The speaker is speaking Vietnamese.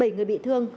bảy người bị thương